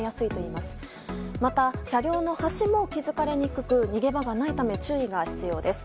また、車両の端も気づかれにくく逃げ場がないため注意が必要です。